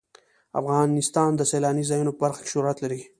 افغانستان د سیلاني ځایونو په برخه کې شهرت لري.